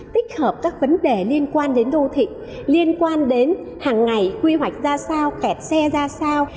tích hợp các vấn đề liên quan đến đô thị liên quan đến hàng ngày quy hoạch ra sao kẹt xe ra sao